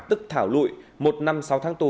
tức thảo lụy một năm sáu tháng tù